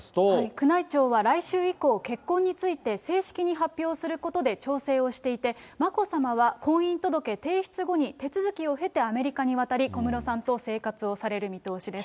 宮内庁は来週以降、結婚について正式に発表することで調整をしていて、眞子さまは婚姻届提出後に、手続きを経てアメリカに渡り、小室さんと生活をされる見通しです。